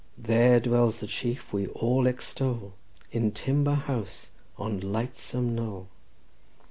"There dwells the chief we all extol In timber house on lightsome knoll."